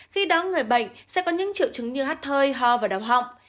khi đó người bệnh sẽ có những triệu chứng như hắt thơi ho và đau họng